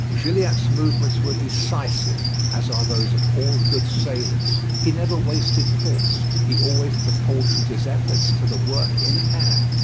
Gilliatt's movements were decisive, as are those of all good sailors. He never wasted force. He always proportioned his efforts to the work in hand.